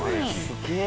すげえ！